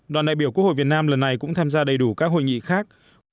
đoàn đại biểu quốc hội việt nam lần này cũng tham gia đầy đủ các hội nghị khác